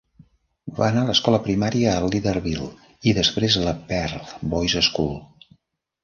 Va anar a l'escola primària a Leederville i, després, a la Perth Boys School.